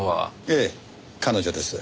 ええ彼女です。